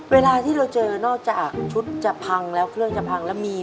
เวลาที่เราเจอนอกจากชุดจะพังแล้วเครื่องจะพังแล้วมี